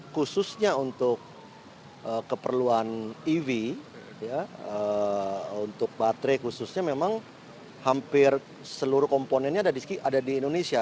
khususnya untuk keperluan ev untuk baterai khususnya memang hampir seluruh komponennya ada di indonesia